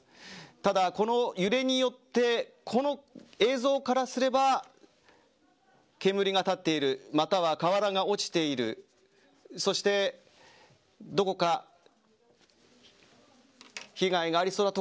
ただ、この揺れによってこの映像からすれば煙が立っているまたは瓦が落ちているそして、どこか被害がありそうな所